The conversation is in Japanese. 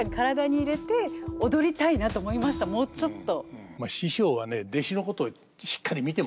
もうちょっと。